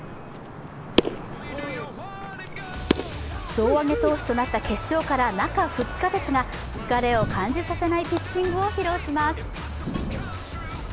胴上げ投手となった決勝から中２日ですが疲れを感じさせないピッチングを披露します。